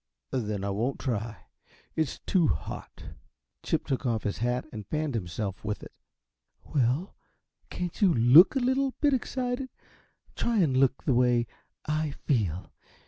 "Then I won't try. It's too hot." Chip took off his hat and fanned himself with it. "Well, can't you LOOK a little bit excited? Try and look the way I feel!